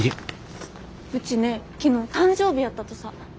うちね昨日誕生日やったとさ。